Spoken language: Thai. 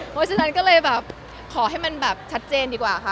เพราะฉะนั้นก็เลยแบบขอให้มันแบบชัดเจนดีกว่าค่ะ